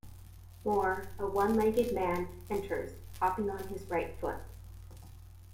Moore, a one-legged man, enters, hopping on his right foot.